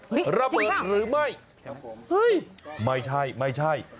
เฮ้ยจริงหรือเปล่าเฮ้ยไม่ใช่